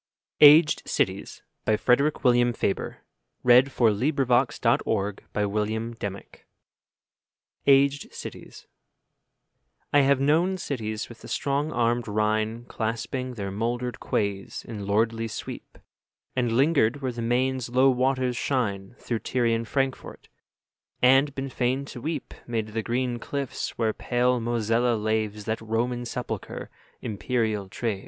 weret of the soil, 51 The nobility of labour, the long pedigree of toil. H. W. LONGFELLOW. AGED CITIES I have known cities with the strong armed Rhine Clasping their mouldered quays in lordly sweep; And lingered where the Maine's low waters shine Through Tyrian Frankfort; and been fain to weep 'Mid the green cliffs where pale Mosella laves 5 That Roman sepulchre, imperial Treves.